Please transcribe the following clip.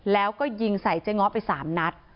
แล้วก็ยิงใส่เจ๊ง้อไป๓นัด